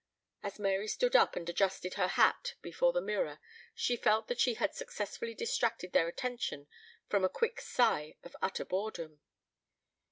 As Mary stood up and adjusted her hat before the mirror she felt that she had successfully distracted their attention from a quick sigh of utter boredom.